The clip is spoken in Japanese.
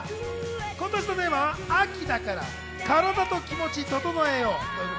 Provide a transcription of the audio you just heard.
今年のテーマは「秋だから、カラダとキモチ整えよう。」。